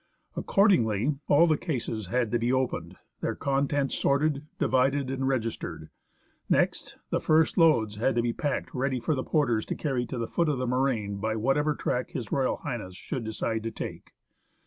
Accordingly, all the cases had to be opened, their contents sorted, divided, and registered. Next, the first loads had to be packed ready for the porters to carry to the foot of the moraine by whatever track H.R.H. should decide to take.